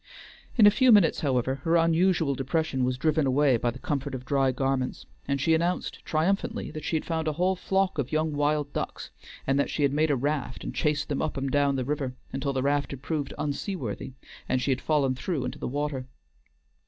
In a few minutes, however, her unusual depression was driven away by the comfort of dry garments, and she announced triumphantly that she had found a whole flock of young wild ducks, and that she had made a raft and chased them about up and down the river, until the raft had proved unseaworthy, and she had fallen through into the water.